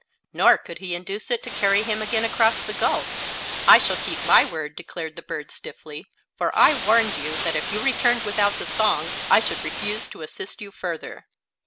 Nor could he induce it to carry him again across the gulf. "I shall keep my word," declared the bird, stiffly; "for I warned you that if you returned without the song I should refuse to assist you further."